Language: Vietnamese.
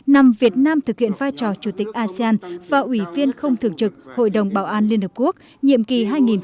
năm việt nam thực hiện vai trò chủ tịch asean và ủy viên không thường trực hội đồng bảo an liên hợp quốc nhiệm kỳ hai nghìn hai mươi hai nghìn hai mươi một